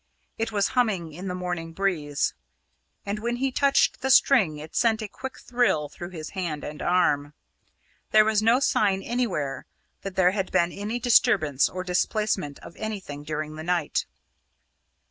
It was humming in the morning breeze, and when he touched the string it sent a quick thrill through hand and arm. There was no sign anywhere that there had been any disturbance or displacement of anything during the night.